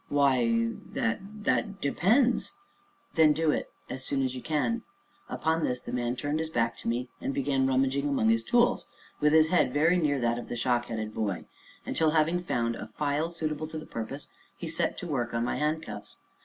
"Why, that that depends " "Then do it as soon as you can." Upon this, the man turned his back to me and began rummaging among his tools, with his head very near that of the shock headed boy, until, having found a file suitable to the purpose, he set to work upon my handcuffs.